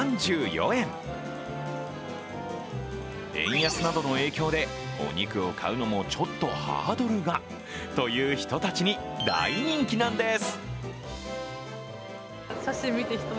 円安などの影響でお肉を買うのもちょっとハードルがという人たちに大人気なんです。